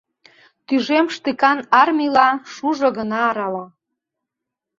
Тӱжем штыкан армийла, шужо гына арала.